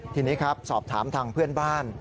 ทีนี้ครับสอบถามทางเพื่อนบ้าน